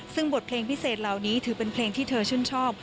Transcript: ซึ่งบทเพลงพิเศษเหล่านี้ถือเป็นเพลงที่เธอชื่นชอบ